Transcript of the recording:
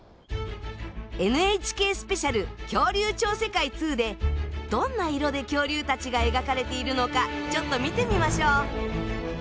「ＮＨＫスペシャル恐竜超世界２」でどんな色で恐竜たちが描かれているのかちょっと見てみましょう。